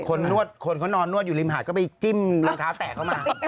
นวดคนเขานอนนวดอยู่ริมหาดก็ไปจิ้มรองเท้าแตกเข้ามา